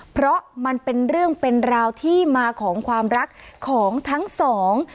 เพราะมันเป็นเรื่องเป็นราวที่มาของความรักของทั้งสอง